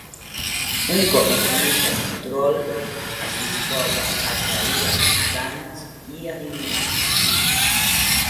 Un cop assumeix el control, es disposa a trair els mutants i eliminar-los.